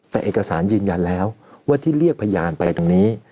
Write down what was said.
แต่เอกสารยืนยันแล้วว่าที่เรียกพยานไปตรงนี้